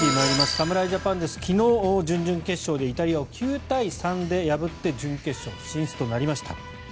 侍ジャパン、昨日準々決勝でイタリアを９対３で破って準決勝進出となりました。